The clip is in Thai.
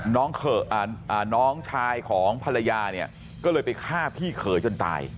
น้องชายของภรรยาเนี่ยก็เลยไปฆ่าพี่เขยจนตาย